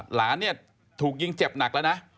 หลานเนี่ยถูกยิงเจ็บหนักแล้วนะ